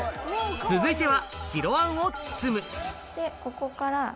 続いては白餡を包むここから。